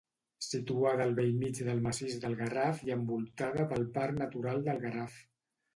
Situada al bell mig del massís del Garraf i envoltada pel Parc Natural del Garraf.